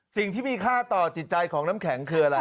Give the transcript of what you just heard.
สิ่งที่มีค่าต่อจิตใจของน้ำแข็งคืออะไร